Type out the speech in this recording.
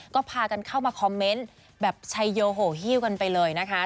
ก็พากันเข้ามาคอมเมนต์แบบชัยโยโหฮิ้วกันไปเลยนะคะ